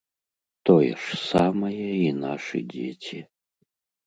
Тое ж самае і нашы дзеці.